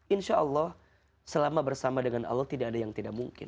insya allah selama bersama dengan allah tidak ada yang tidak mungkin